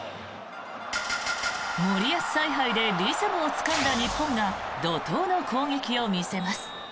森保采配でリズムをつかんだ日本が怒とうの攻撃を見せます。